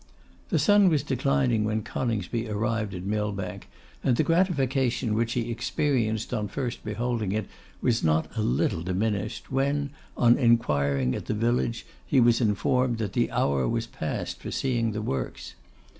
The sun was declining when Coningsby arrived at Millbank, and the gratification which he experienced on first beholding it, was not a little diminished, when, on enquiring at the village, he was informed that the hour was past for seeing the works.